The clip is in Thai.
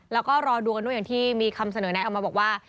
แล้วก็รอดูกันด้วยอย่างที่มีคำเสนอแนะออกมาบอกว่า